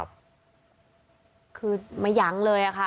คือไม่ยังเลยค่ะ